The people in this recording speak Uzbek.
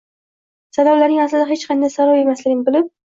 “saylovlarning” aslida hech qanday saylov emasligini bilib